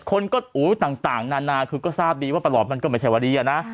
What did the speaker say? คนก็ต่างนานานคุณก็ทราบดีว่าปลอดภัณฐ์มันไม่ใช้วันดีนะ